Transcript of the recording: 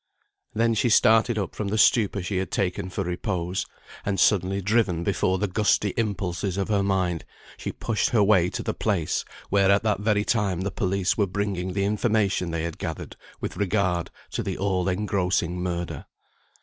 Then she started up from the stupor she had taken for repose; and suddenly driven before the gusty impulses of her mind, she pushed her way to the place where at that very time the police were bringing the information they had gathered with regard to the all engrossing murder.